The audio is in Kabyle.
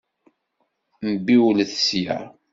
Mbiwlet sya!